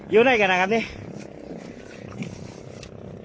อยู่ไหนกันนะครับนี่